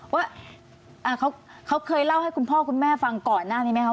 ว่าเขาเคยเล่าให้คุณพ่อคุณแม่ฟังก่อนหน้านี้ไหมคะ